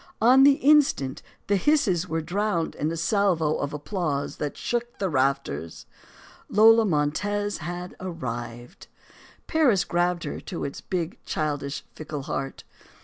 On the instant the hisses were drowned in a salvo of applause that shook the rafters. Lola Montez had "arrived." Paris grabbed her to its big, childish, fickle heart.